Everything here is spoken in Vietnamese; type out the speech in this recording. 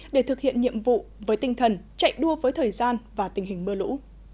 để thực hiện nhiệm vụ với tinh thần chạy đua với thời gian và tình hình mưa lũ